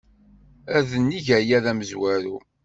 Ad neg aya d amezwaru.